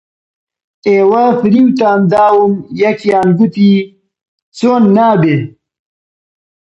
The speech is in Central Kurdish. ئێوە فریوتان داوم یەکیان گوتی: چۆن نابێ؟